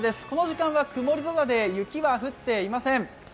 この時間は曇り空で雪は降っていません。